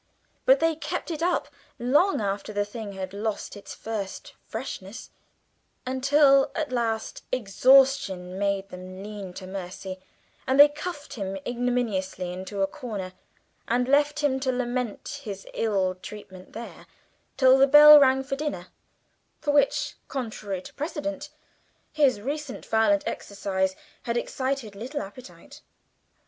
But they kept it up long after the thing had lost its first freshness until at last exhaustion made them lean to mercy, and they cuffed him ignominiously into a corner, and left him to lament his ill treatment there till the bell rang for dinner, for which, contrary to precedent, his recent violent exercise had excited little appetite.